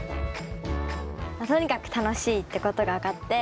とにかく楽しいってことが分かって